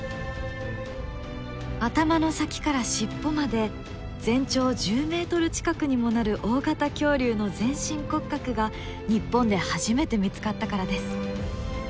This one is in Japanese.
頭の先から尻尾まで全長１０ｍ近くにもなる大型恐竜の全身骨格が日本で初めて見つかったからです。